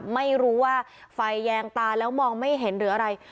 ไม่รู้ว่าไฟแยงตาแล้วมองไม่เห็นหรืออะไร